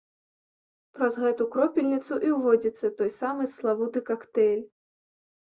Праз гэту кропельніцу і ўводзіцца той самы славуты кактэйль.